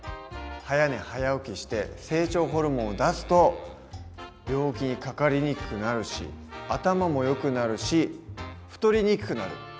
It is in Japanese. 早寝早起きして成長ホルモンを出すと病気にかかりにくくなるし頭もよくなるし太りにくくなる。